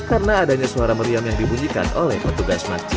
karena adanya suara meriam yang dibunyikan oleh petugas masjid